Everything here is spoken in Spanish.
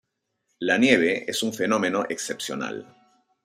La nieve es un fenómeno excepcional.